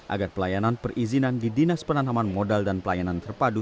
agar pelayanan perizinan di dinas penanaman modal dan pelayanan terpadu